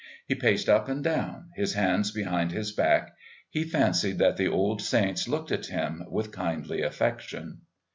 He paced up and down, his hands behind his back; he fancied that the old saints looked at him with kindly affection.